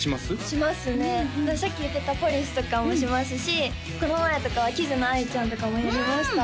しますねさっき言ってたポリスとかもしますしこの前とかはキズナアイちゃんとかもやりました